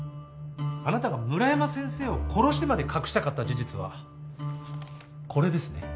あなたが村山先生を殺してまで隠したかった事実はこれですね？